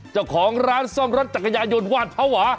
เจ้าของร้านซ่อมรถจักรยายนวาดภาวะ